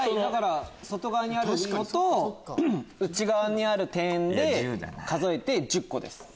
外側にあるのと内側にある点で数えて１０個です。